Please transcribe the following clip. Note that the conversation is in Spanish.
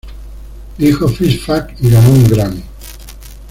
Dijo 'fist fuck' y ganó un Grammy.